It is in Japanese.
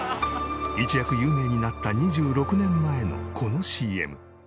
一躍有名になった２６年前のこのＣＭ。